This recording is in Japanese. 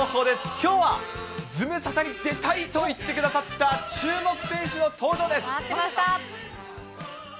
きょうは、ズムサタに出たいと言ってくださった注目選手の登場です。